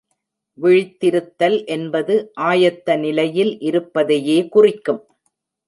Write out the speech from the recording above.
விழித்திருத்தல் என்பது ஆயத்த நிலையில் இருப்பதையே குறிக்கும்.